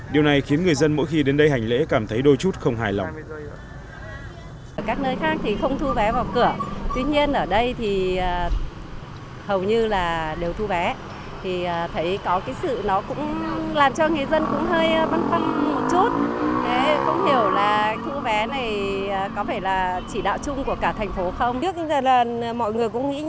điều này khiến người dân mỗi khi đến đây hành lễ cảm thấy đôi chút không hài lòng